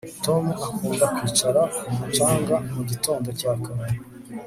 Tom akunda kwicara ku mucanga mu gitondo cya kare